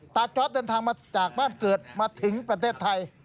จอร์ดเดินทางมาจากบ้านเกิดมาถึงประเทศไทย